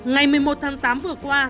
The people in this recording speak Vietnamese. ngày một mươi một tháng tám vừa qua